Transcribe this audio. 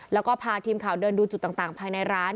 แล้วก็พาทีมข่าวเดินดูจุดต่างภายในร้าน